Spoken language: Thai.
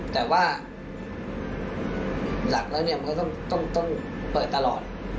แต่ว่าหลักแล้วเนี่ยมันก็ต้องเปิดตลอด